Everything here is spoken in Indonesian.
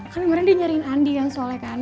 kan kemarin dia nyariin andi yang solekan